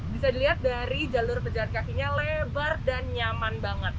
bisa dilihat dari jalur pejalan kakinya lebar dan nyaman banget